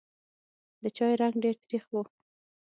د چای رنګ ډېر تریخ و.